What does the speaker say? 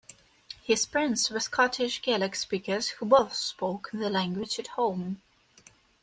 His parents were Scottish Gaelic speakers who both spoke the language at home.